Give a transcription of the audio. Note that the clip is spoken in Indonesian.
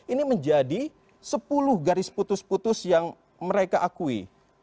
ini menjadi sepuluh garis putus putus yang mereka akui